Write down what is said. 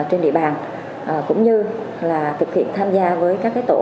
trên địa bàn cũng như là thực hiện tham gia với các loại tội phạm trên địa bàn